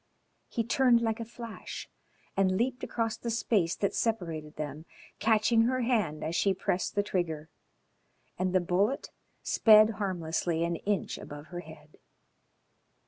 He turned like a flash and leaped across the space that separated them, catching her hand as she pressed the trigger, and the bullet sped harmlessly an inch above her head.